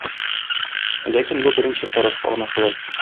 Ләкин бу беренче карашка гына шулай.